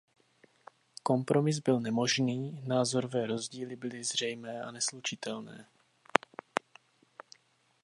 Kompromis byl nemožný, názorové rozdíly byly zřejmé a neslučitelné.